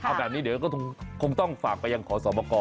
เอาแบบนี้เดี๋ยวก็คงต้องฝากไปยังขอสมกร